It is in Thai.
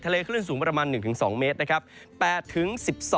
ทะเลขึ้นสูงประมาณ๑๒เมตรนะครับ